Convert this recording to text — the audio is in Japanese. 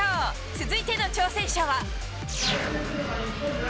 続いての挑戦者は。